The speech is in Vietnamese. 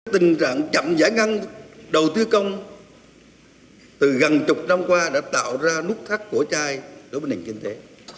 tình trạng chậm giải ngân đầu tư công từ gần chục năm qua đã tạo ra nút thắt cổ trai đối với nền kinh tế